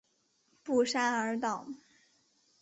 布沙尔岛。